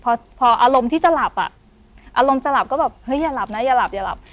พอพออารมณ์ที่จะหลับอ่ะอารมณ์จะหลับก็แบบเฮ้ยอย่าหลับนะอย่าหลับอย่าหลับ